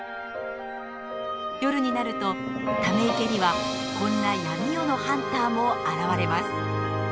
夜になるとため池にはこんな闇夜のハンターも現れます。